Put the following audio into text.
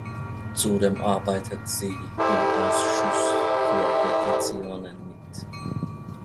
Zudem arbeitet sie im Ausschuss für Petitionen mit.